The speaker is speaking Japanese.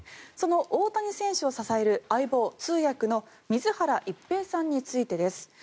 その大谷選手を支える相棒、通訳の水原一平さんについてです。